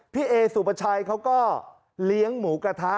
พี่เอสุปชัยเขาก็เลี้ยงหมูกระทะ